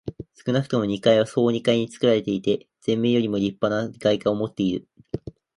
少なくとも二階は総二階につくられていて、前面よりもりっぱな外観をもっている。